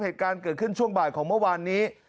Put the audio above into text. เหตุการณ์เกิดขึ้นช่วงบ่ายของเมื่อวานนี้